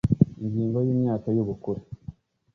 Ingingo ya Imyaka y ubukure